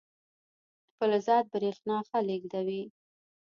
فلزات برېښنا ښه لیږدوي.